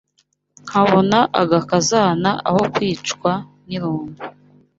Nkabona agakazana Aho kwicwa n’irungu